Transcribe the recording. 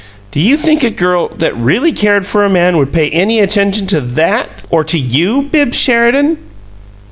"Do you think a girl that really cared for a man would pay any attention to THAT? Or to YOU, Bibbs Sheridan!"